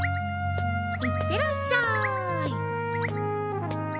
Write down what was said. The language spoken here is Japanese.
いってらっしゃい。